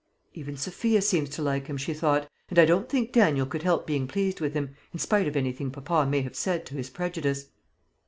"Even Sophia seems to like him," she thought; "and I don't think Daniel could help being pleased with him, in spite of anything papa may have said to his prejudice."